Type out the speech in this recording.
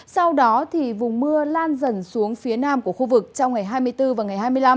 sau đó thì vùng mưa lan dần xuống phía nam của khu vực trong ngày hai mươi bốn và ngày hai mươi năm